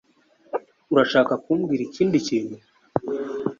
Urashaka kumbwira ikindi kintu?